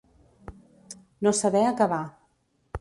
No saber acabar.